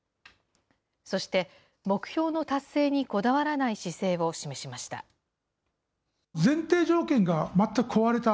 そして、目標の達成にこだわらない姿勢を示しました。